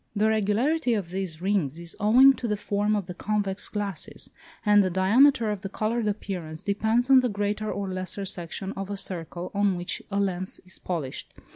The regularity of these rings is owing to the form of the convex glasses, and the diameter of the coloured appearance depends on the greater or lesser section of a circle on which a lens is polished.